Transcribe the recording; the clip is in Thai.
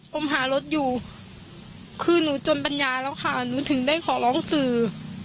ผมหารถอยู่คือหนูจนปัญญาแล้วค่ะหนูถึงได้ขอร้องสื่อ